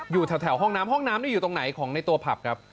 อยู่แถวห้องน้ำห้องน้ำนี่อยู่ตรงไหนของในตัวผับครับ